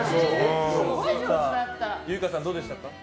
結奏さん、どうでしたか？